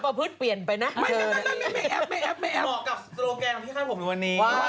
ไม่ได้มาจากลำปัง